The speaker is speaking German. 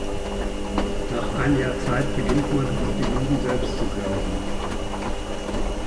Nach einiger Zeit beginnt man, die Lügen selbst zu glauben.